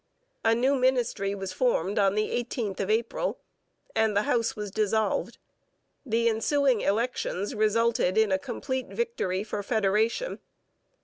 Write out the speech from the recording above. A new ministry was formed on the 18th of April, and the House was dissolved. The ensuing elections resulted in a complete victory for federation.